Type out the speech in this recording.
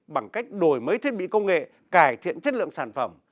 bằng cách đổi mới thiết bị công nghệ cải thiện chất lượng sản phẩm